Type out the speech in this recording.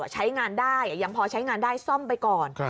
ใช้งานได้ยังพอใช้งานได้ซ่อมไปก่อน